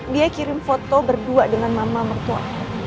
dia kirim foto berdua dengan mama mertua